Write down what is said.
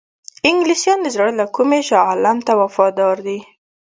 انګلیسیان د زړه له کومي شاه عالم ته وفادار دي.